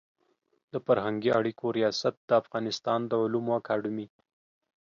د فرهنګي اړیکو ریاست د افغانستان د علومو اکاډمي